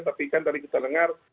tapi kan tadi kita dengar